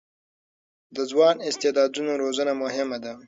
د ځوانو استعدادونو روزنه مهمه ده.